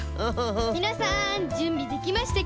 みなさんじゅんびできましたか？